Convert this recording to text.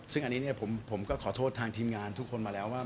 ซึ่งอันนี้ผมก็ขอโทษทางทีมงานทุกคนมาแล้วว่า